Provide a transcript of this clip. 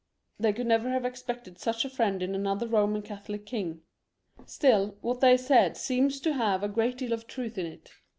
XLi.] HENR Y IV. 307 Tbffj could never have expected such a friend in another Soman Catholic king ; still, what they said seems to have had a great deal of truth in it.